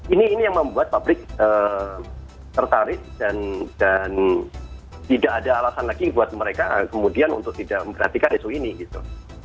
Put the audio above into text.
ini yang membuat pabrik tertarik dan tidak ada alasan lagi buat mereka kemudian untuk tidak memperhatikan isu ini gitu